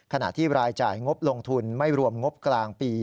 ขณะที่รายจ่ายงบลงทุนไม่รวมงบกลางปี